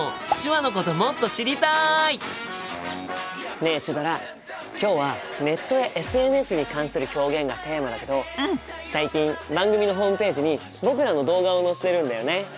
ねえシュドラ今日はネットやＳＮＳに関する表現がテーマだけど最近番組のホームページに僕らの動画を載せてるんだよね。